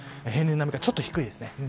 平年並みかちょっと低いですね。